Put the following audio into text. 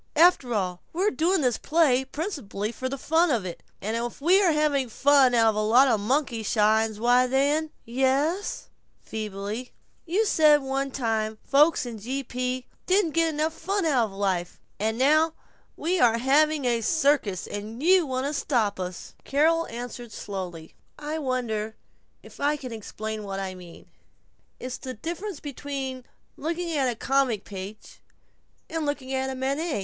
After all, we're doing this play principally for the fun of it, and if we have fun out of a lot of monkey shines, why then " "Ye es," feebly. "You said one time that folks in G. P. didn't get enough fun out of life. And now we are having a circus, you want us to stop!" Carol answered slowly: "I wonder if I can explain what I mean? It's the difference between looking at the comic page and looking at Manet.